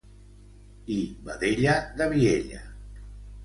...i vedella de Viella.